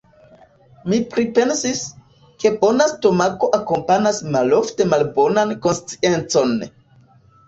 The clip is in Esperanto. Mi pripensis, ke bona stomako akompanas malofte malbonan konsciencon.